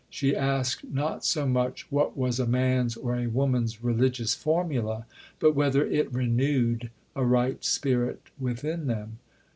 She asked not so much what was a man's or a woman's religious formula, but whether it renewed a right spirit within them.